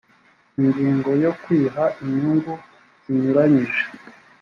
ingingo ya kwiha inyungu zinyuranyije